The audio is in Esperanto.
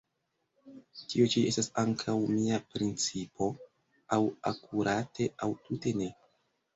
Tio ĉi estas ankaŭ mia principo; aŭ akurate, aŭ tute ne!